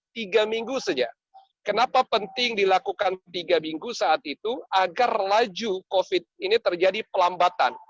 tiga minggu saja kenapa penting dilakukan tiga minggu saat itu agar laju covid ini terjadi pelambatan